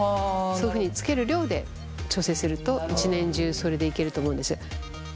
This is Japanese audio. そういうふうにつける量で調整すると一年中それでいけると思うんです。